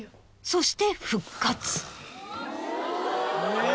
そして復活。え！